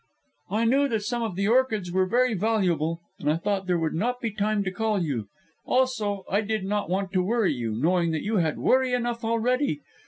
"I knew that some of the orchids were very valuable, and I thought there would not be time to call you; also I did not want to worry you, knowing you had worry enough already.